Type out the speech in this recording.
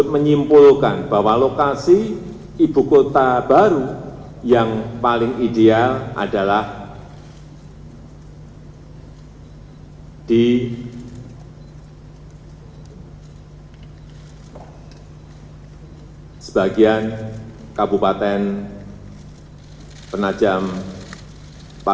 ya telah lama pulau kalimantan disiapkan menjadi calon pengganti jakarta sebagai ibukota negara